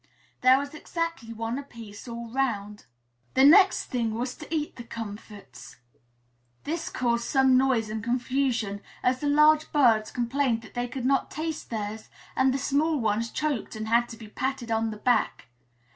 There was exactly one a piece, all 'round. The next thing was to eat the comfits; this caused some noise and confusion, as the large birds complained that they could not taste theirs, and the small ones choked and had to be patted on the back.